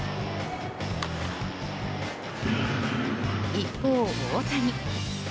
一方、大谷。